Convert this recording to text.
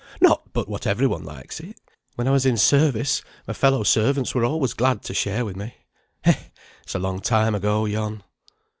Not but what every one likes it. When I was in service my fellow servants were always glad to share with me. Eh, it's a long time ago, yon."